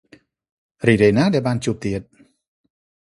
រីករាយណាស់ដែលបានជួបទៀត។